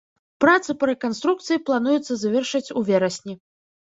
Працы па рэканструкцыі плануецца завершыць у верасні.